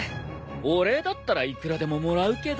お礼だったらいくらでももらうけど。